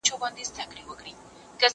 زه مخکي مړۍ خوړلي وه.